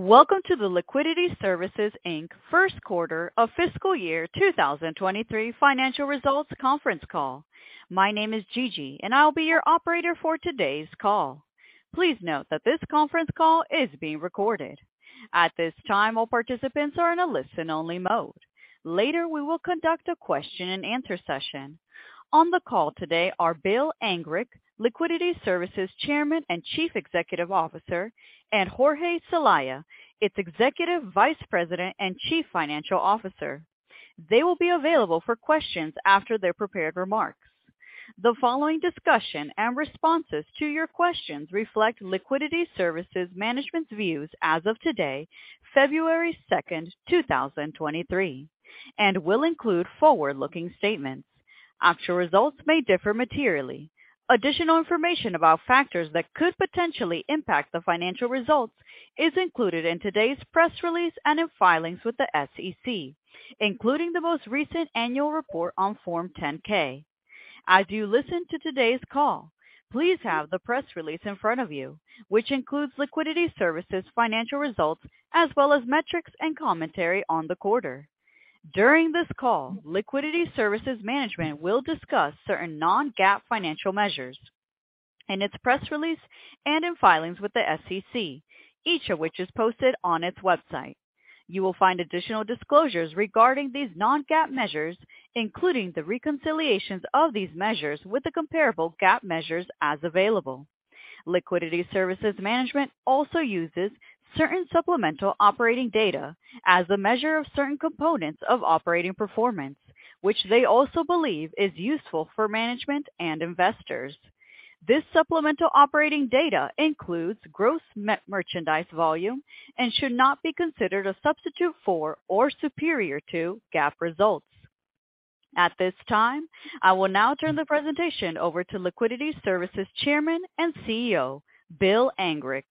Welcome to the Liquidity Services, Inc. First Quarter of Fiscal Year 2023 Financial Results Conference Call. My name is Gigi, and I'll be your operator for today's call. Please note that this conference call is being recorded. At this time, all participants are in a listen-only mode. Later, we will conduct a question and answer session. On the call today are Bill Angrick, Liquidity Services Chairman and Chief Executive Officer, and Jorge Celaya, its Executive Vice President and Chief Financial Officer. They will be available for questions after their prepared remarks. The following discussion and responses to your questions reflect Liquidity Services management's views as of today, February 2, 2023, and will include forward-looking statements. Actual results may differ materially. Additional information about factors that could potentially impact the financial results is included in today's press release and in filings with the SEC, including the most recent annual report on Form 10-K. As you listen to today's call, please have the press release in front of you, which includes Liquidity Services financial results as well as metrics and commentary on the quarter. During this call, Liquidity Services management will discuss certain non-GAAP financial measures in its press release and in filings with the SEC, each of which is posted on its website. You will find additional disclosures regarding these non-GAAP measures, including the reconciliations of these measures with the comparable GAAP measures as available. Liquidity Services management also uses certain supplemental operating data as a measure of certain components of operating performance, which they also believe is useful for management and investors. This supplemental operating data includes gross net merchandise volume and should not be considered a substitute for or superior to GAAP results. At this time, I will now turn the presentation over to Liquidity Services Chairman and CEO, Bill Angrick.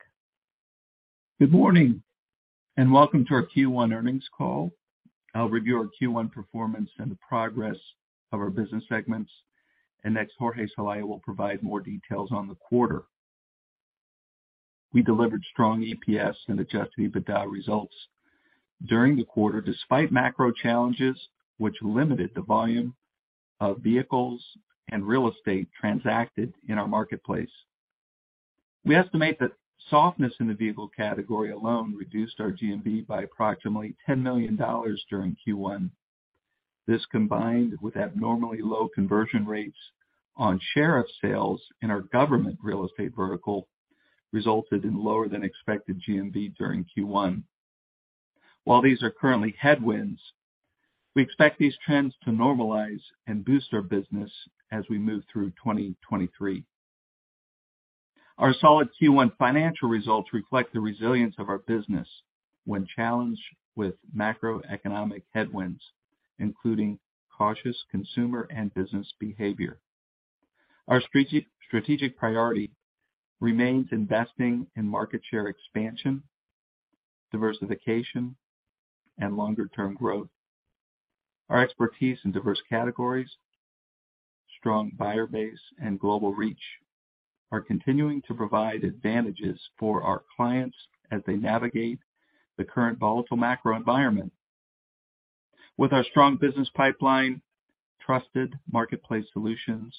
Good morning, welcome to our Q1 Earnings Call. I'll review our Q1 performance and the progress of our business segments, and next, Jorge Celaya will provide more details on the quarter. We delivered strong EPS and Adjusted EBITDA results during the quarter despite macro challenges which limited the volume of vehicles and real estate transacted in our marketplace. We estimate that softness in the vehicle category alone reduced our GMV by approximately $10 million during Q1. This, combined with abnormally low conversion rates on sheriff sales in our government real estate vertical, resulted in lower than expected GMV during Q1. While these are currently headwinds, we expect these trends to normalize and boost our business as we move through 2023. Our solid Q1 financial results reflect the resilience of our business when challenged with macroeconomic headwinds, including cautious consumer and business behavior. Our strategic priority remains investing in market share expansion, diversification, and longer term growth. Our expertise in diverse categories, strong buyer base, and global reach are continuing to provide advantages for our clients as they navigate the current volatile macro environment. With our strong business pipeline, trusted marketplace solutions,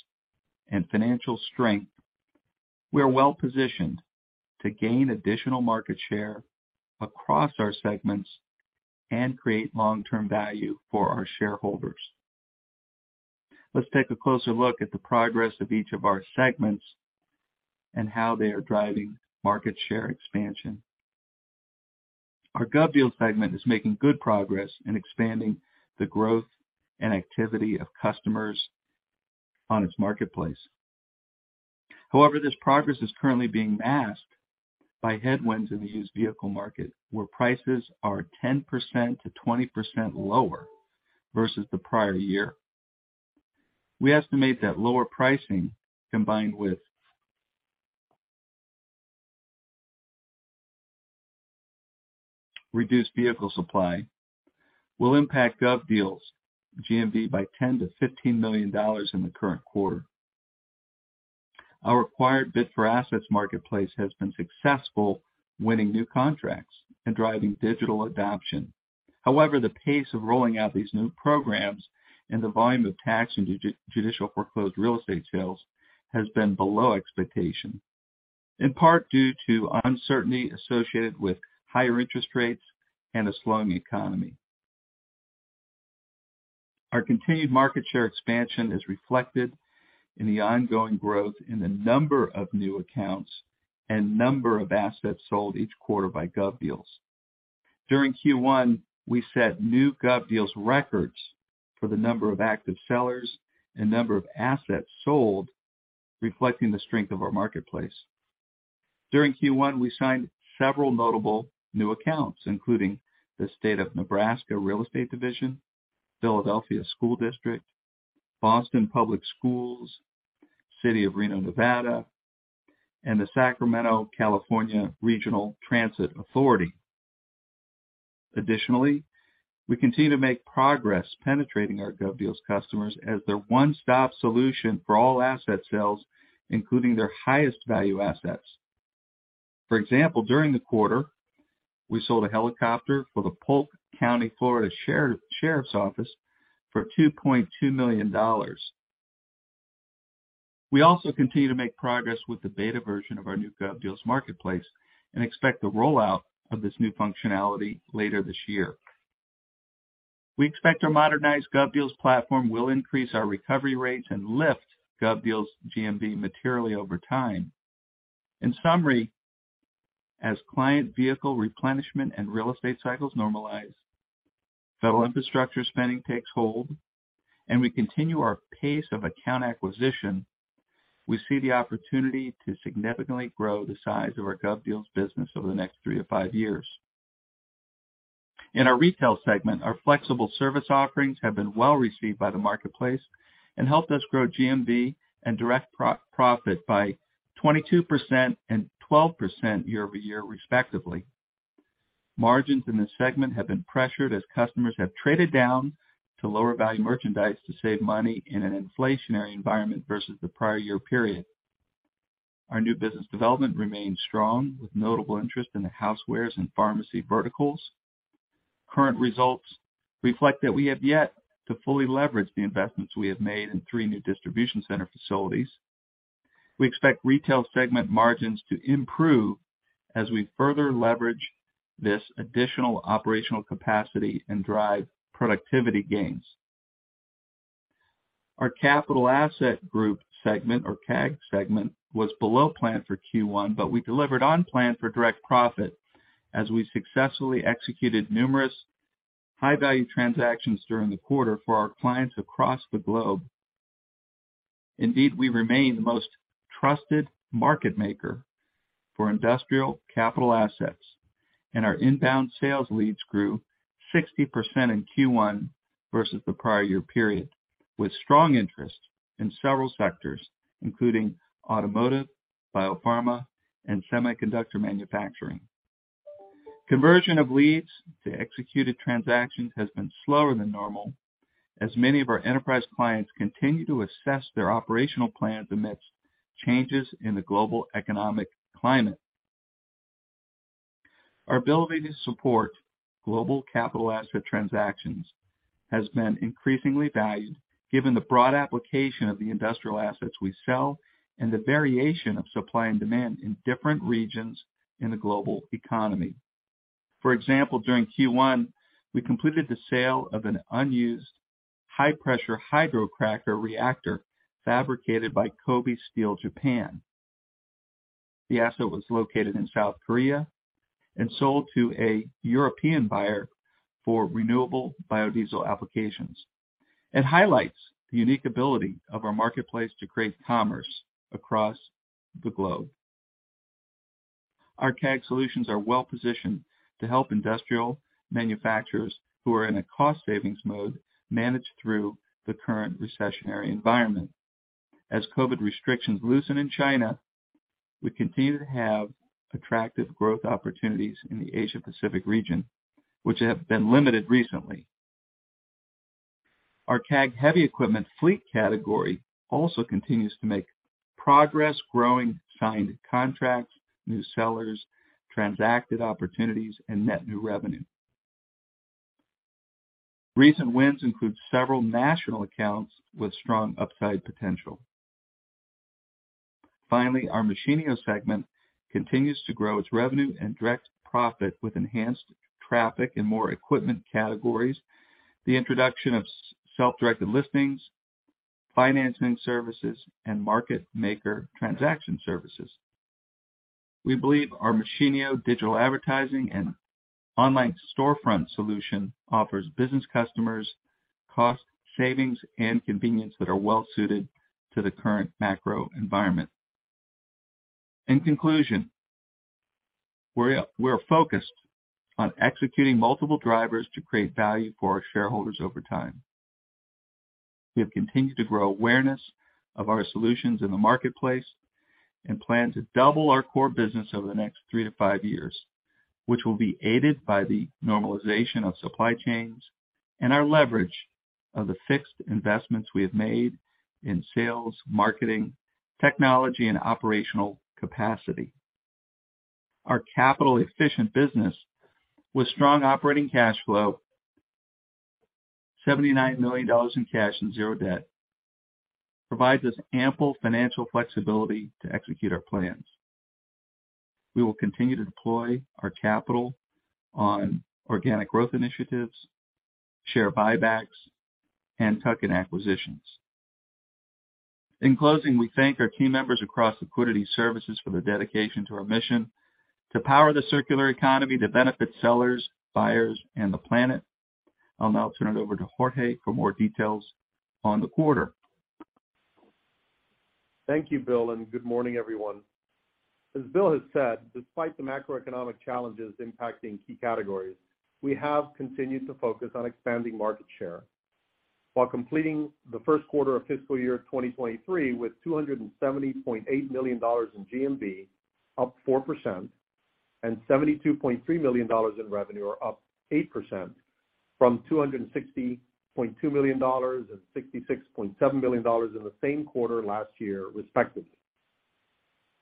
and financial strength, we are well-positioned to gain additional market share across our segments and create long-term value for our shareholders. Let's take a closer look at the progress of each of our segments and how they are driving market share expansion. Our GovDeals segment is making good progress in expanding the growth and activity of customers on its marketplace. However, this progress is currently being masked by headwinds in the used vehicle market, where prices are 10%-20% lower versus the prior year. We estimate that lower pricing, combined with reduced vehicle supply, will impact GovDeals' GMV by $10 million-$15 million in the current quarter. Our acquired Bid4Assets marketplace has been successful winning new contracts and driving digital adoption. The pace of rolling out these new programs and the volume of tax and judicial foreclosed real estate sales has been below expectation, in part due to uncertainty associated with higher interest rates and a slowing economy. Our continued market share expansion is reflected in the ongoing growth in the number of new accounts and number of assets sold each quarter by GovDeals. During Q1, we set new GovDeals records for the number of active sellers and number of assets sold, reflecting the strength of our marketplace. During Q1, we signed several notable new accounts, including the State of Nebraska Real Estate Division, Philadelphia School District, Boston Public Schools, City of Reno, Nevada, and the Sacramento, California, Regional Transit Authority. Additionally, we continue to make progress penetrating our GovDeals customers as their one-stop solution for all asset sales, including their highest value assets. For example, during the quarter, we sold a helicopter for the Polk County Florida Sheriff's Office for $2.2 million. We also continue to make progress with the beta version of our new GovDeals marketplace and expect the rollout of this new functionality later this year. We expect our modernized GovDeals platform will increase our recovery rates and lift GovDeals GMV materially over time. In summary, as client vehicle replenishment and real estate cycles normalize, federal infrastructure spending takes hold, and we continue our pace of account acquisition, we see the opportunity to significantly grow the size of our GovDeals business over the next three to five years. In our retail segment, our flexible service offerings have been well received by the marketplace and helped us grow GMV and direct profit by 22% and 12% year-over-year, respectively. Margins in this segment have been pressured as customers have traded down to lower value merchandise to save money in an inflationary environment versus the prior year period. Our new business development remains strong, with notable interest in the housewares and pharmacy verticals. Current results reflect that we have yet to fully leverage the investments we have made in three new distribution center facilities. We expect retail segment margins to improve as we further leverage this additional operational capacity and drive productivity gains. Our Capital Assets Group segment or CAG segment was below plan for Q1, but we delivered on plan for direct profit as we successfully executed numerous high-value transactions during the quarter for our clients across the globe. We remain the most trusted market maker for industrial capital assets, and our inbound sales leads grew 60% in Q1 versus the prior year period, with strong interest in several sectors, including automotive, biopharma, and semiconductor manufacturing. Conversion of leads to executed transactions has been slower than normal, as many of our enterprise clients continue to assess their operational plans amidst changes in the global economic climate. Our ability to support global capital asset transactions has been increasingly valued given the broad application of the industrial assets we sell and the variation of supply and demand in different regions in the global economy. For example, during Q1, we completed the sale of an unused high-pressure hydrocracker reactor fabricated by Kobe Steel, Japan. The asset was located in South Korea and sold to a European buyer for renewable biodiesel applications. It highlights the unique ability of our marketplace to create commerce across the globe. Our CAG solutions are well positioned to help industrial manufacturers who are in a cost savings mode manage through the current recessionary environment. As COVID restrictions loosen in China, we continue to have attractive growth opportunities in the Asia Pacific region, which have been limited recently. Our CAG heavy equipment fleet category also continues to make progress growing signed contracts, new sellers, transacted opportunities, and net new revenue. Recent wins include several national accounts with strong upside potential. Finally, our Machinio segment continues to grow its revenue and direct profit with enhanced traffic and more equipment categories, the introduction of self-directed listings, financing services, and market maker transaction services. We believe our Machinio digital advertising and online storefront solution offers business customers cost savings and convenience that are well suited to the current macro environment. In conclusion, we're focused on executing multiple drivers to create value for our shareholders over time. We have continued to grow awareness of our solutions in the marketplace and plan to double our core business over the next three to five years, which will be aided by the normalization of supply chains and our leverage of the fixed investments we have made in sales, marketing, technology, and operational capacity. Our capital efficient business with strong operating cash flow, $79 million in cash and zero debt, provides us ample financial flexibility to execute our plans. We will continue to deploy our capital on organic growth initiatives, share buybacks, and tuck-in acquisitions. In closing, we thank our team members across Liquidity Services for their dedication to our mission to power the circular economy to benefit sellers, buyers, and the planet. I'll now turn it over to Jorge for more details on the quarter. Thank you, Bill. Good morning, everyone. As Bill has said, despite the macroeconomic challenges impacting key categories, we have continued to focus on expanding market share. While completing the first quarter of fiscal year 2023 with $270.8 million in GMV, up 4%, and $72.3 million in revenue, or up 8% from $260.2 million and $66.7 million in the same quarter last year, respectively.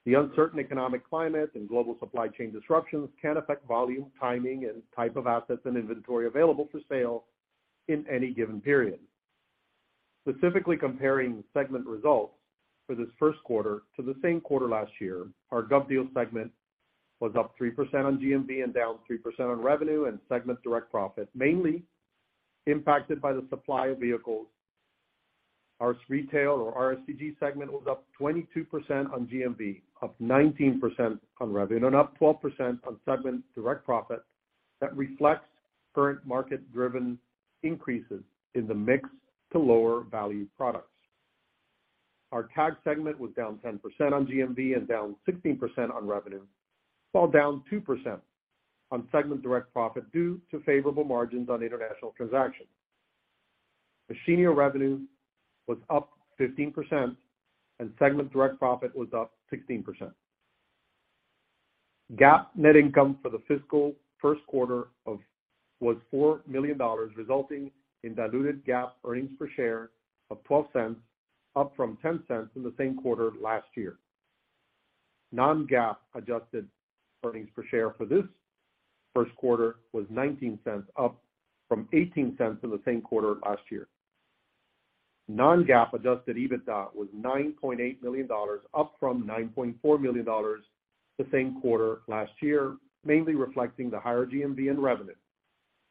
The uncertain economic climate and global supply chain disruptions can affect volume, timing, and type of assets and inventory available for sale in any given period. Specifically comparing segment results for this first quarter to the same quarter last year, our GovDeals segment was up 3% on GMV and down 3% on revenue and segment direct profit, mainly impacted by the supply of vehicles. Our retail or RSG segment was up 22% on GMV, up 19% on revenue, and up 12% on segment direct profit that reflects current market-driven increases in the mix to lower value products. Our CAG segment was down 10% on GMV and down 16% on revenue, while down 2% on segment direct profit due to favorable margins on international transactions. The senior revenue was up 15% and segment direct profit was up 16%. GAAP net income for the fiscal first quarter was $4 million, resulting in diluted GAAP earnings per share of $0.12, up from $0.10 in the same quarter last year. Non-GAAP adjusted earnings per share for this first quarter was $0.19, up from $0.18 in the same quarter last year. non-GAAP Adjusted EBITDA was $9.8 million, up from $9.4 million the same quarter last year, mainly reflecting the higher GMV and revenue,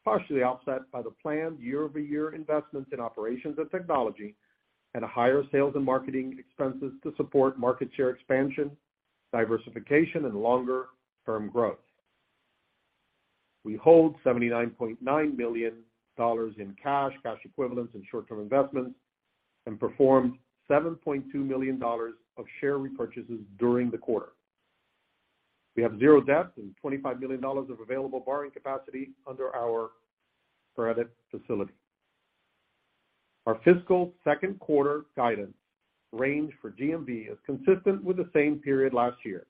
partially offset by the planned year-over-year investments in operations and technology and a higher sales and marketing expenses to support market share expansion, diversification, and longer term growth. We hold $79.9 million in cash equivalents, and short-term investments, and performed $7.2 million of share repurchases during the quarter. We have zero debt and $25 million of available borrowing capacity under our credit facility. Our fiscal second quarter guidance range for GMV is consistent with the same period last year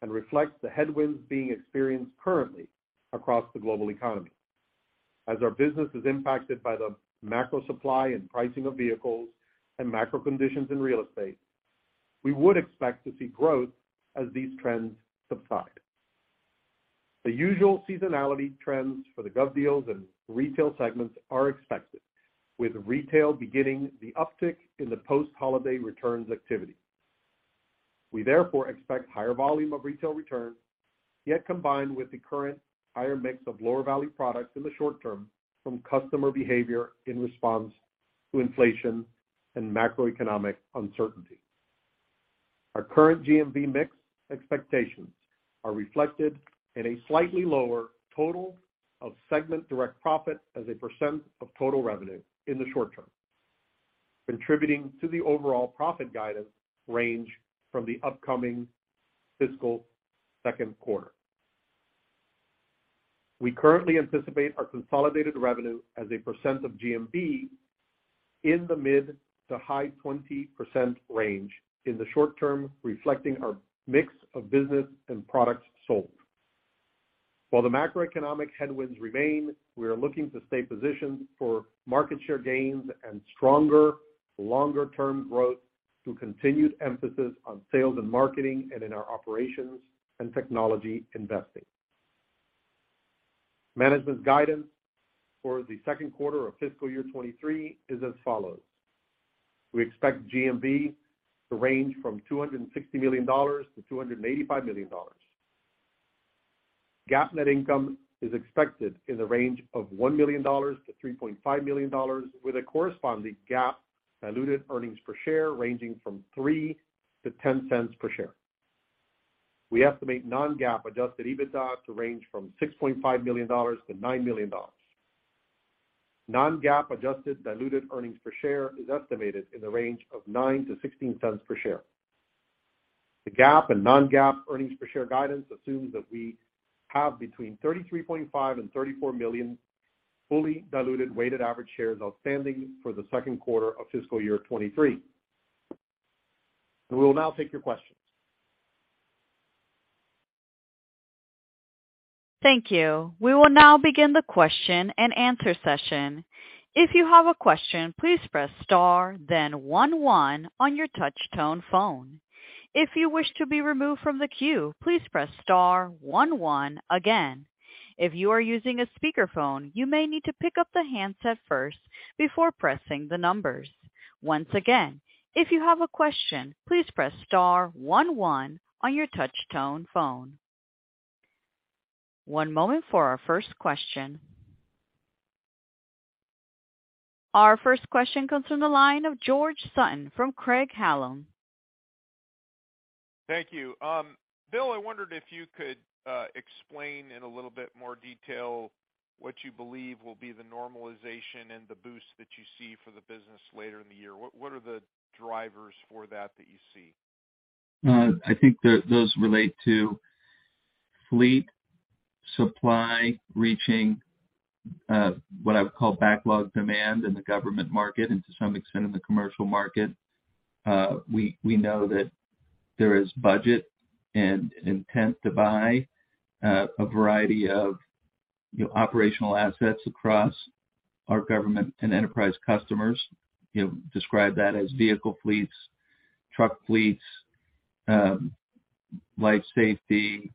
and reflects the headwinds being experienced currently across the global economy. As our business is impacted by the macro supply and pricing of vehicles and macro conditions in real estate, we would expect to see growth as these trends subside. The usual seasonality trends for the GovDeals and retail segments are expected, with retail beginning the uptick in the post-holiday returns activity. We therefore expect higher volume of retail returns, yet combined with the current higher mix of lower value products in the short term from customer behavior in response to inflation and macroeconomic uncertainty. Our current GMV mix expectations are reflected in a slightly lower total of segment direct profit as a percent of total revenue in the short term, contributing to the overall profit guidance range from the upcoming fiscal second quarter. We currently anticipate our consolidated revenue as a percent of GMV in the mid to high 20% range in the short term, reflecting our mix of business and products sold. While the macroeconomic headwinds remain, we are looking to stay positioned for market share gains and stronger longer-term growth through continued emphasis on sales and marketing and in our operations and technology investing. Management guidance for the second quarter of fiscal year 2023 is as follows. We expect GMV to range from $260 million-$285 million. GAAP net income is expected in the range of $1 million-$3.5 million, with a corresponding GAAP diluted earnings per share ranging from $0.03-$0.10 per share. We estimate non-GAAP Adjusted EBITDA to range from $6.5 million-$9 million. Non-GAAP Adjusted diluted earnings per share is estimated in the range of $0.09-$0.16 per share. The GAAP and non-GAAP earnings per share guidance assumes that we have between 33.5 million and 34 million fully diluted weighted average shares outstanding for the second quarter of fiscal year 2023. We will now take your questions. Thank you. We will now begin the question and answer session. If you have a question, please press star then one one on your touch tone phone. If you wish to be removed from the queue, please press star one one again. If you are using a speakerphone, you may need to pick up the handset first before pressing the numbers. Once again, if you have a question, please press star one one on your touch tone phone. One moment for our first question. Our first question comes from the line of George Sutton from Craig-Hallum. Thank you. Bill, I wondered if you could explain in a little bit more detail what you believe will be the normalization and the boost that you see for the business later in the year. What are the drivers for that that you see? I think those relate to Fleet supply reaching what I would call backlog demand in the government market and to some extent in the commercial market. We know that there is budget and intent to buy a variety of, you know, operational assets across our government and enterprise customers. You know, describe that as vehicle fleets, truck fleets, life safety,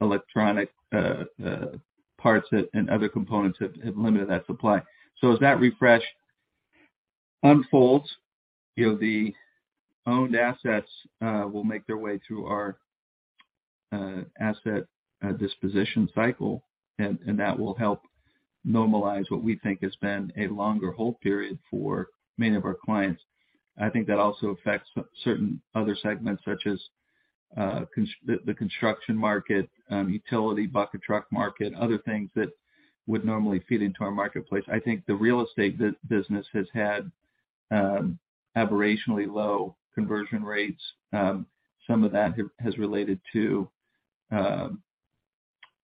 electronic parts that and other components that have limited that supply. As that refresh unfolds, you know, the owned assets will make their way through our asset disposition cycle, and that will help normalize what we think has been a longer hold period for many of our clients. I think that also affects certain other segments such as the construction market, utility bucket truck market, other things that would normally feed into our marketplace. I think the real estate business has had aberrationally low conversion rates. Some of that has related to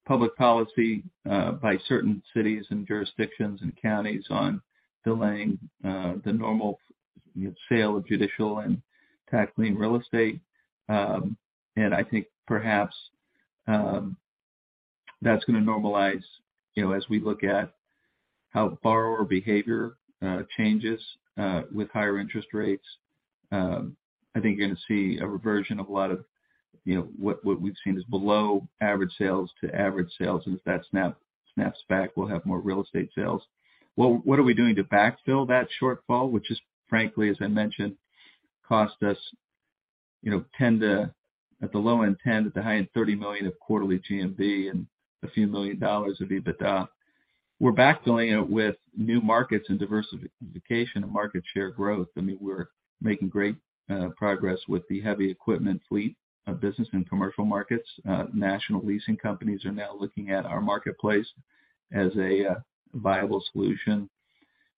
public policy by certain cities and jurisdictions and counties on delaying the normal sale of judicial and tax lien real estate. I think perhaps that's gonna normalize, you know, as we look at how borrower behavior changes with higher interest rates. I think you're gonna see a reversion of a lot of, you know, what we've seen as below average sales to average sales. If that snaps back, we'll have more real estate sales. What are we doing to backfill that shortfall, which is frankly, as I mentioned, cost us, you know, 10 to at the low end 10, at the high end $30 million of quarterly GMV and a few million dollars of EBITDA. We're backfilling it with new markets and diversification of market share growth. I mean, we're making great progress with the heavy equipment fleet of business and commercial markets. National leasing companies are now looking at our marketplace as a viable solution.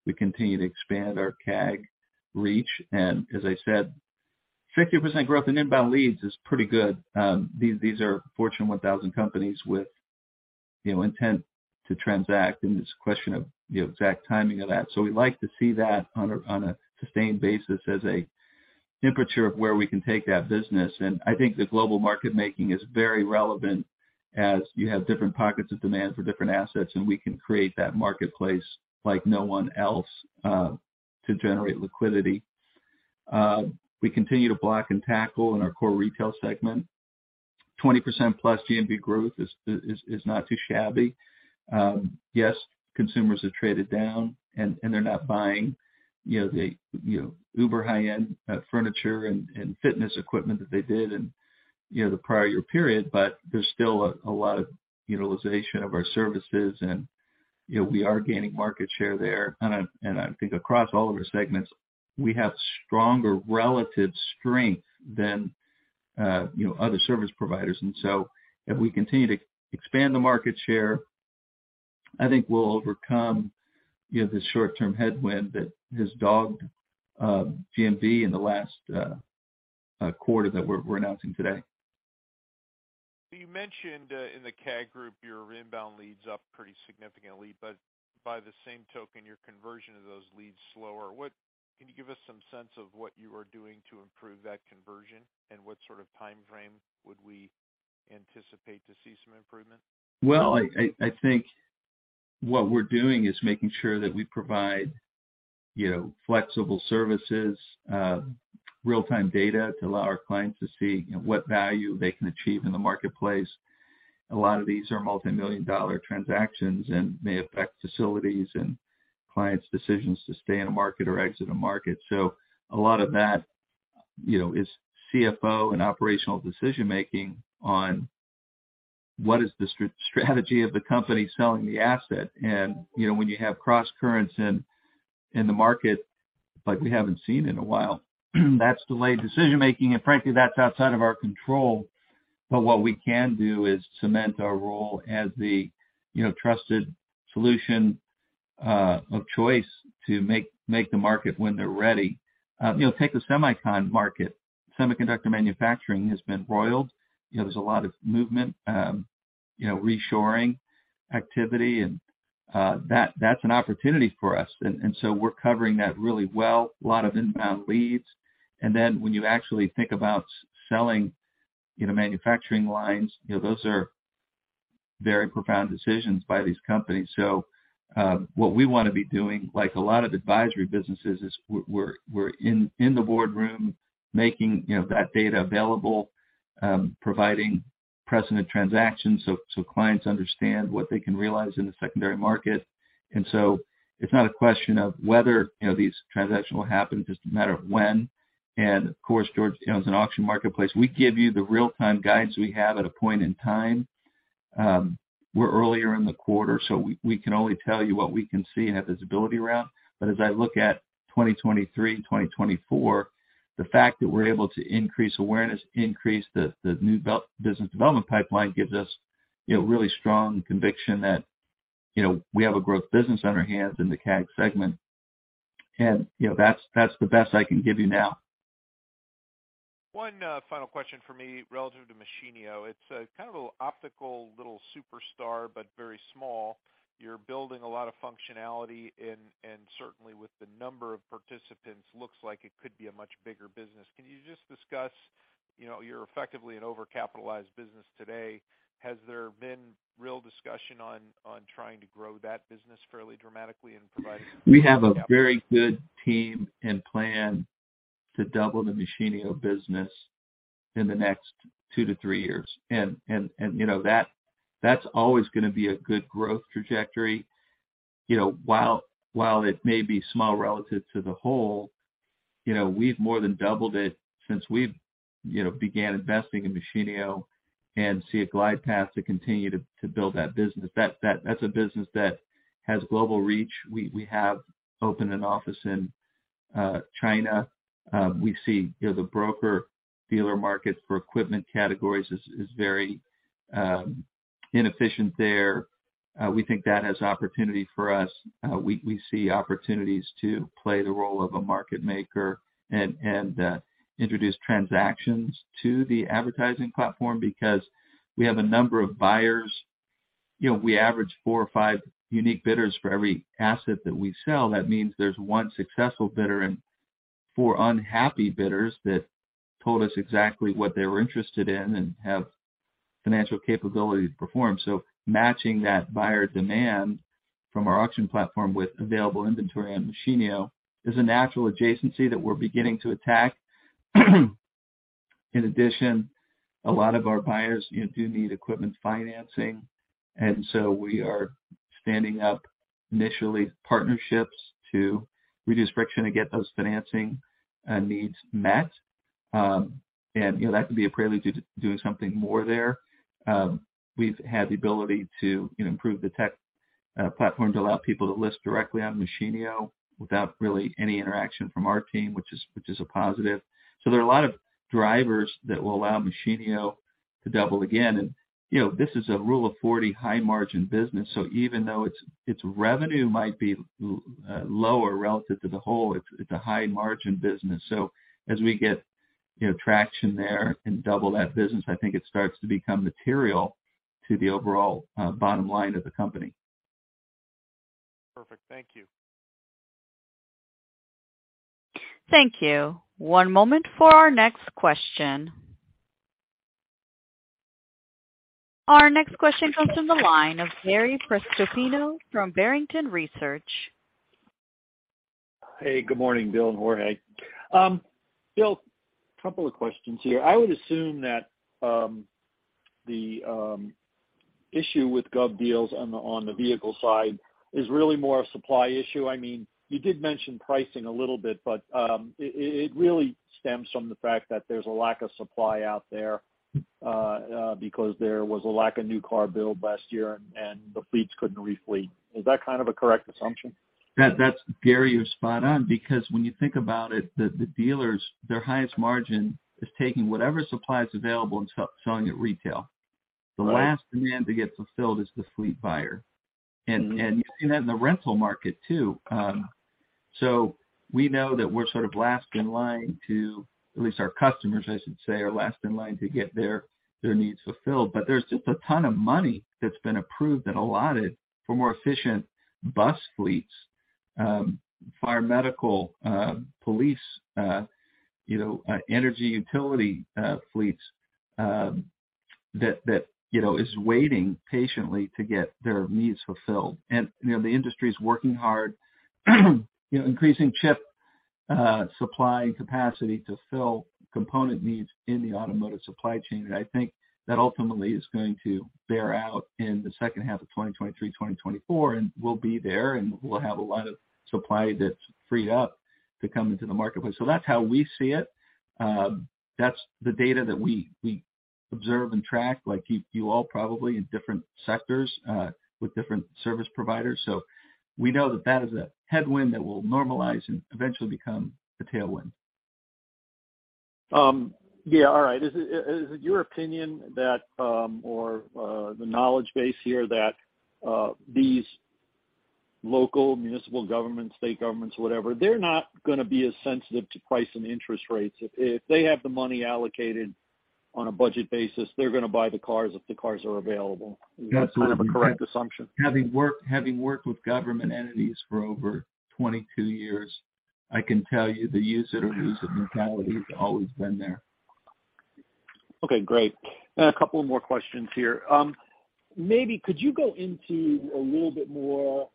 We continue to expand our CAG reach. As I said, 50% growth in inbound leads is pretty good. These are Fortune 1000 companies with, you know, intent to transact, and it's a question of the exact timing of that. We like to see that on a sustained basis as a temperature of where we can take that business. I think the global market making is very relevant as you have different pockets of demand for different assets, and we can create that marketplace like no one else to generate liquidity. We continue to block and tackle in our core retail segment. 20%+ GMV growth is not too shabby. Yes, consumers have traded down and they're not buying, you know, the, you know, uber high-end furniture and fitness equipment that they did in, you know, the prior period. But there's still a lot of utilization of our services and, you know, we are gaining market share there. And I think across all of our segments, we have stronger relative strength than, you know, other service providers. So if we continue to expand the market share, I think we'll overcome, you know, this short-term headwind that has dogged GMV in the last quarter that we're announcing today. You mentioned, in the CAG group, your inbound leads up pretty significantly, but by the same token, your conversion of those leads slower. Can you give us some sense of what you are doing to improve that conversion? What sort of timeframe would we anticipate to see some improvement? Well, I think what we're doing is making sure that we provide, you know, flexible services, real-time data to allow our clients to see what value they can achieve in the marketplace. A lot of these are multimillion-dollar transactions and may affect facilities and clients' decisions to stay in a market or exit a market. A lot of that, you know, is CFO and operational decision-making on what is the strategy of the company selling the asset. You know, when you have crosscurrents in the market like we haven't seen in a while, that's delayed decision-making, and frankly, that's outside of our control. What we can do is cement our role as the, you know, trusted solution of choice to make the market when they're ready. You know, take the semicon market. Semiconductor manufacturing has been roiled. You know, there's a lot of movement, you know, reshoring activity, that's an opportunity for us. So we're covering that really well. A lot of inbound leads. Then when you actually think about selling, you know, manufacturing lines, you know, those are very profound decisions by these companies. So, what we wanna be doing, like a lot of advisory businesses, is we're in the boardroom making, you know, that data available, providing precedent transactions so clients understand what they can realize in the secondary market. So it's not a question of whether, you know, these transactions will happen, just a matter of when. Of course, George, you know, as an auction marketplace, we give you the real-time guidance we have at a point in time. We're earlier in the quarter, so we can only tell you what we can see and have visibility around. As I look at 2023 and 2024, the fact that we're able to increase awareness, increase the new business development pipeline gives us, you know, really strong conviction that, you know, we have a growth business on our hands in the CAG segment. You know, that's the best I can give you now. One final question for me relative to Machinio. It's a kind of a optical little superstar, but very small. You're building a lot of functionality and certainly with the number of participants, looks like it could be a much bigger business. Can you just discuss, you know, you're effectively an overcapitalized business today. Has there been real discussion on trying to grow that business fairly dramatically and provide We have a very good team and plan to double the Machinio business in the next two to three years. You know, that's always gonna be a good growth trajectory. You know, while it may be small relative to the whole, you know, we've more than doubled it since we've, you know, began investing in Machinio and see a glide path to continue to build that business. That's a business that has global reach. We have opened an office in China. We see, you know, the broker dealer market for equipment categories is very inefficient there. We think that has opportunity for us. We see opportunities to play the role of a market maker and introduce transactions to the advertising platform because we have a number of buyers. You know, we average four or five unique bidders for every asset that we sell. That means there's one successful bidder and four unhappy bidders that told us exactly what they were interested in and have financial capability to perform. Matching that buyer demand from our auction platform with available inventory on Machinio is a natural adjacency that we're beginning to attack. In addition, a lot of our buyers, you know, do need equipment financing, and so we are standing up initially partnerships to reduce friction to get those financing needs met. You know, that could be a prelude to doing something more there. We've had the ability to, you know, improve the tech platform to allow people to list directly on Machinio without really any interaction from our team, which is a positive. There are a lot of drivers that will allow Machinio to double again. You know, this is a Rule of 40 high-margin business, so even though its revenue might be lower relative to the whole, it's a high-margin business. As we get, you know, traction there and double that business, I think it starts to become material to the overall bottom line of the company. Perfect. Thank you. Thank you. One moment for our next question. Our next question comes from the line of Gary Prestopino from Barrington Research. Hey. Good morning, Bill and Jorge. Bill, couple of questions here. I would assume that the issue with GovDeals on the vehicle side is really more a supply issue. I mean, you did mention pricing a little bit, but it really stems from the fact that there's a lack of supply out there because there was a lack of new car build last year and the fleets couldn't refleet. Is that kind of a correct assumption? That's Gary, you're spot on because when you think about it, the dealers, their highest margin is taking whatever supply is available and selling at retail. Right. The last demand to get fulfilled is the fleet buyer. Mm-hmm. You see that in the rental market too. We know that we're sort of last in line. At least our customers, I should say, are last in line to get their needs fulfilled. There's just a ton of money that's been approved and allotted for more efficient bus fleets, fire medical, police, you know, energy utility fleets, that, you know, is waiting patiently to get their needs fulfilled. You know, the industry is working hard, you know, increasing chip supply and capacity to fill component needs in the automotive supply chain. I think that ultimately is going to bear out in the second half of 2023, 2024, and we'll be there, and we'll have a lot of supply that's freed up to come into the marketplace. That's how we see it. That's the data that we observe and track like you all probably in different sectors, with different service providers. We know that that is a headwind that will normalize and eventually become a tailwind. Yeah, all right. Is it your opinion that, or the knowledge base here that these local municipal governments, state governments, whatever, they're not gonna be as sensitive to price and interest rates? If, if they have the money allocated on a budget basis, they're gonna buy the cars if the cars are available. Is that sort of a correct assumption? Having worked with government entities for over 22 years, I can tell you the use it or lose it mentality has always been there. Okay, great. A couple more questions here. Maybe could you go into a little bit more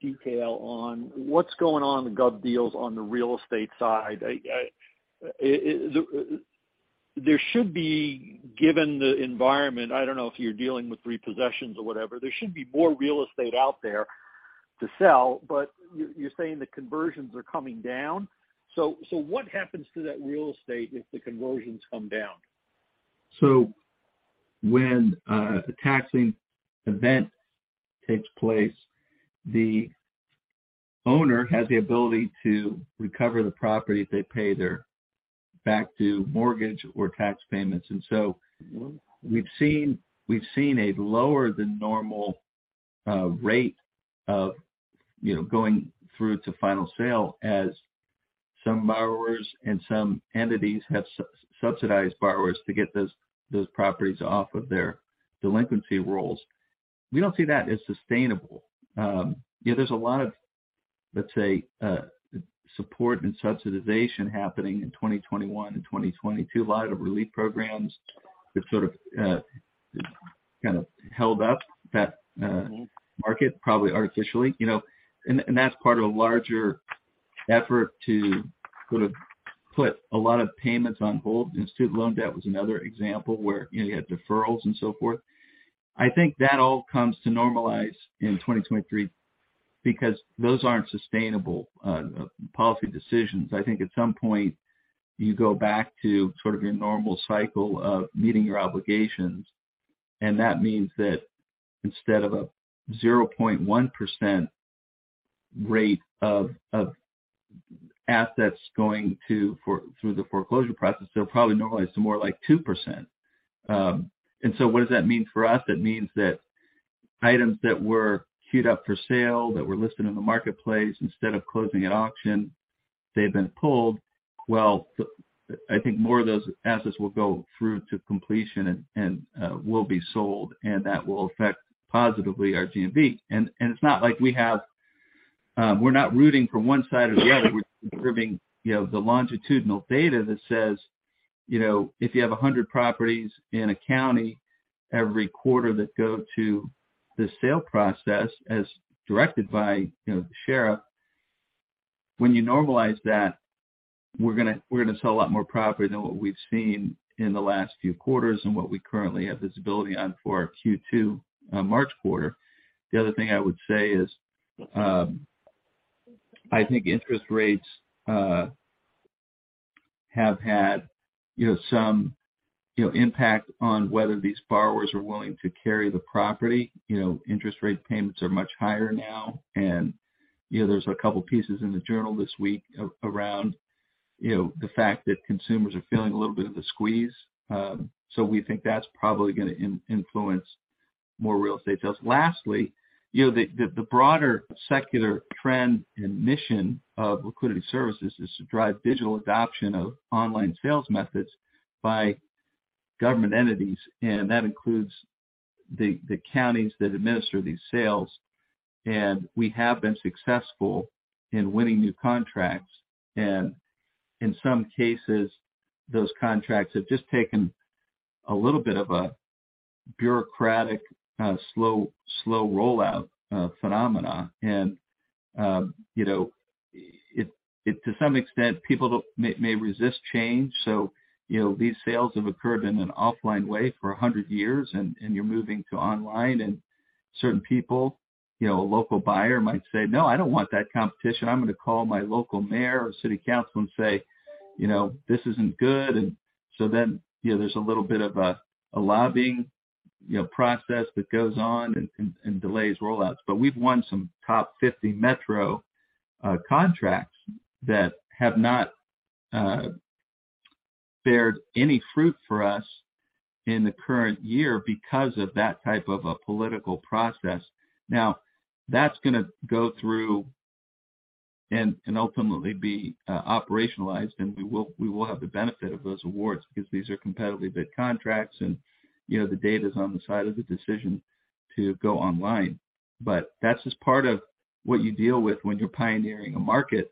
detail on what's going on with GovDeals on the real estate side? There should be, given the environment, I don't know if you're dealing with repossessions or whatever, there should be more real estate out there to sell, but you're saying the conversions are coming down. What happens to that real estate if the conversions come down? When a taxing event takes place, the owner has the ability to recover the property if they pay their back to mortgage or tax payments. We've seen a lower than normal rate of, you know, going through to final sale as some borrowers and some entities have subsidized borrowers to get those properties off of their delinquency rolls. We don't see that as sustainable. You know, there's a lot of, let's say, support and subsidization happening in 2021 and 2022. A lot of relief programs that sort of kind of held up that market probably artificially, you know. That's part of a larger effort to sort of put a lot of payments on hold. Student loan debt was another example where, you know, you had deferrals and so forth. I think that all comes to normalize in 2023 because those aren't sustainable policy decisions. I think at some point, you go back to sort of your normal cycle of meeting your obligations, and that means that instead of a 0.1% rate of assets going through the foreclosure process, they'll probably normalize to more like 2%. What does that mean for us? It means that items that were queued up for sale, that were listed in the marketplace, instead of closing at auction, they've been pulled. Well, I think more of those assets will go through to completion and will be sold, and that will affect positively our GMV. It's not like we have... We're not rooting for one side or the other. We're observing, you know, the longitudinal data that says, you know, if you have 100 properties in a county every quarter that go to the sale process as directed by, you know, the sheriff, when you normalize that, we're gonna sell a lot more property than what we've seen in the last few quarters and what we currently have visibility on for our Q2 March quarter. The other thing I would say is, I think interest rates have had, you know, some, you know, impact on whether these borrowers are willing to carry the property. You know, interest rate payments are much higher now, and, you know, there's a couple pieces in the journal this week around, you know, the fact that consumers are feeling a little bit of the squeeze. We think that's probably gonna influence more real estate sales. Lastly, you know, the broader secular trend and mission of Liquidity Services is to drive digital adoption of online sales methods by government entities, and that includes the counties that administer these sales. We have been successful in winning new contracts. In some cases, those contracts have just taken a little bit of a bureaucratic, slow rollout phenomena. You know, to some extent, people may resist change. You know, these sales have occurred in an offline way for 100 years and you're moving to online and certain people, you know, a local buyer might say, "No, I don't want that competition. I'm gonna call my local mayor or city council and say, you know, this isn't good. You know, there's a little bit of a lobbying, you know, process that goes on and delays rollouts. We've won some top 50 metro contracts that have not beared any fruit for us in the current year because of that type of a political process. That's gonna go through and ultimately be operationalized, and we will have the benefit of those awards because these are competitively bid contracts and, you know, the data's on the side of the decision to go online. That's just part of what you deal with when you're pioneering a market,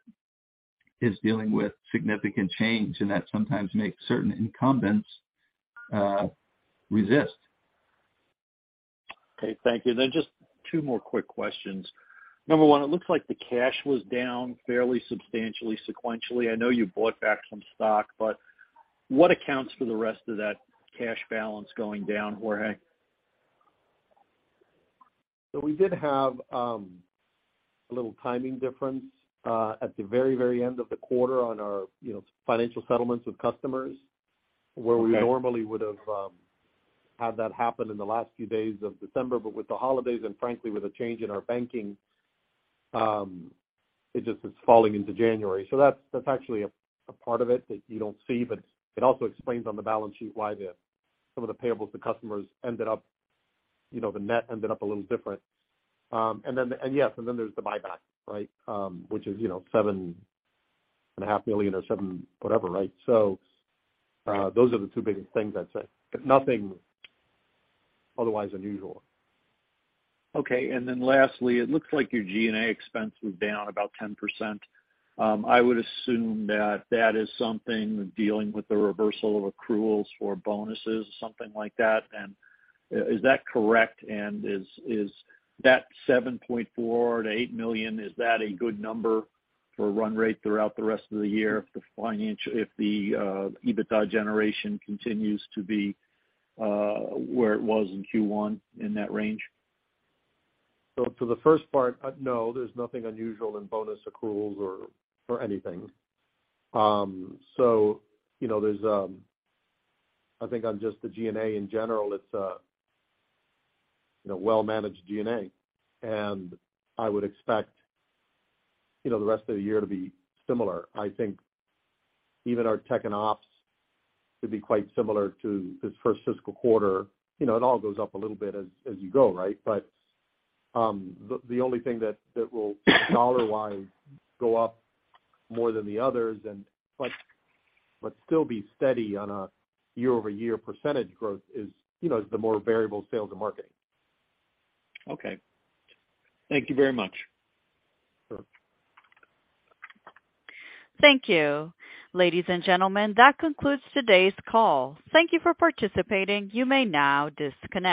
is dealing with significant change, and that sometimes makes certain incumbents resist. Okay, thank you. Just two more quick questions. Number one it looks like the cash was down fairly substantially sequentially. I know you bought back some stock, but what accounts for the rest of that cash balance going down, Jorge? We did have a little timing difference at the very, very end of the quarter on our, you know, financial settlements with customers. Okay. where we normally would've had that happen in the last few days of December. With the holidays and frankly with a change in our banking, it just is falling into January. That's, that's actually a part of it that you don't see, but it also explains on the balance sheet why the, some of the payables to customers ended up, you know, the net ended up a little different. And then, and yes, and then there's the buyback, right? Which is, you know, 7.5 Million or 7 million whatever, right? Those are the two biggest things, I'd say. Nothing otherwise unusual. Okay. Lastly, it looks like your G&A expense was down about 10%. I would assume that that is something dealing with the reversal of accruals for bonuses or something like that. Is that correct? Is that $7.4 million-$8 million, is that a good number for a run rate throughout the rest of the year if the EBITDA generation continues to be where it was in Q1 in that range? For the first part, no, there's nothing unusual in bonus accruals or anything. You know, there's, I think on just the G&A in general, it's a, you know, well-managed G&A. I would expect, you know, the rest of the year to be similar. I think even our tech and ops to be quite similar to this first fiscal quarter. You know, it all goes up a little bit as you go, right? The only thing that will dollar-wise go up more than the others but still be steady on a year-over-year percentage growth is, you know, the more variable sales and marketing. Okay. Thank you very much. Sure. Thank you. Ladies and gentlemen, that concludes today's call. Thank you for participating. You may now disconnect.